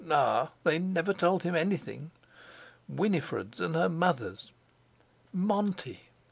Ah! they never told him anything! Winifred's and her mother's. "Monty!"